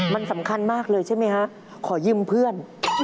มันสำคัญมากเลยใช่ไหมฮะขอยืมเพื่อน